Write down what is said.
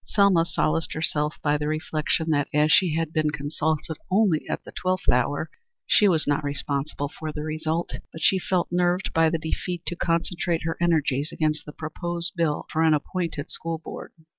Selma solaced herself by the reflection that, as she had been consulted only at the twelfth hour, she was not responsible for the result, but she felt nerved by the defeat to concentrate her energies against the proposed bill for an appointed school board.